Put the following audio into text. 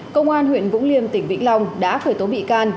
công an huyện vũng liêm tỉnh vĩnh long đã khởi tố bị can